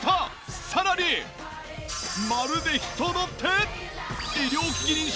さらにまるで人の手！？